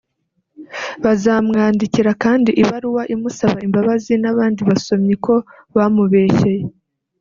Bazamwandikira kandi ibaruwa imusaba imbabazi n’abandi basomyi ko bamubeshyeye